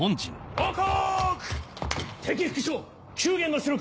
報告！